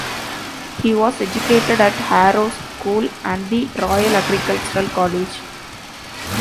He was educated at Harrow School and the Royal Agricultural College.